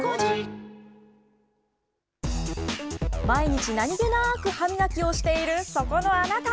毎日何気なく歯磨きをしているそこのあなた。